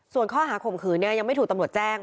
ส่วนข้อหาข่มขืนยังไม่ถูกตำรวจแจ้ง